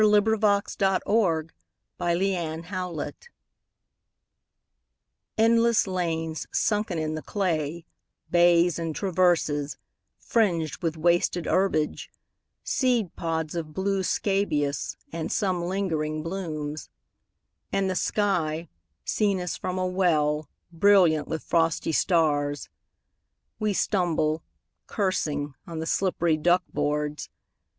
Frederic Manning THE TRENCHES ENDLESS lanes sunken in the clay, Bays, and traverses, fringed with wasted herbage, Seed pods of blue scabious, and some lingering blooms ; And the sky, seen as from a well, Brilliant with frosty stars. We stumble, cursing, on the slippery duck boards.